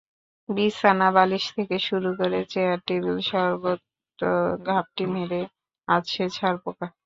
বিছানা, বালিশ থেকে শুরু করে চেয়ার-টেবিল সর্বত্র ঘাপটি মেরে আছে ছারপোকা।